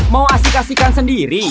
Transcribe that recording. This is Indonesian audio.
mau asik asikan sendiri